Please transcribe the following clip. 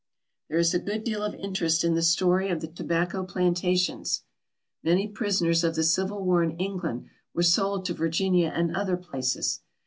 There is a good deal of interest in the story of the tobacco plantations. Many prisoners of the Civil War in England were sold to Virginia and other places.